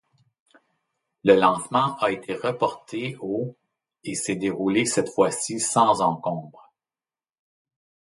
Le lancement a été reporté au et s'est déroulé cette fois-ci sans encombres.